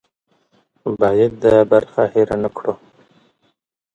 باید دا برخه هېره نه کړو.